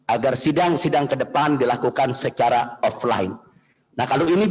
agar sidang sidang kedepan dilakukan secara offline